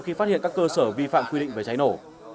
khi phát hiện các cơ sở vi phạm quy định về cháy nổ